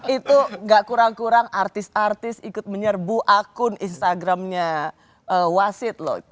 itu gak kurang kurang artis artis ikut menyerbu akun instagramnya wasit loh